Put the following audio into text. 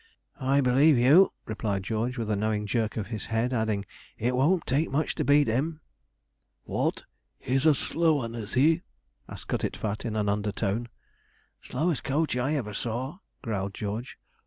'I believe you,' replied George, with a knowing jerk of his head; adding, 'it won't take much to beat him.' 'What! he's a slow 'un, is he?' asked Cutitfat, in an undertone. 'Slowest coach I ever saw,' growled George.